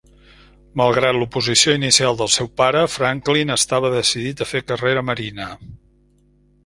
Malgrat l'oposició inicial del seu pare, Franklin estava decidit a fer carrera marina.